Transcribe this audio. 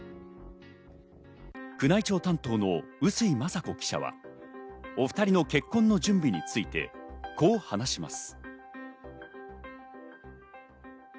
宮内庁担当の笛吹雅子記者は、お２人の結婚の準備について、こう話します。